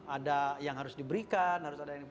ada yang harus diberikan harus ada yang